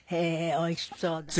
おいしそうだな。